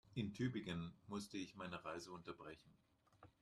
In Tübingen musste ich meine Reise unterbrechen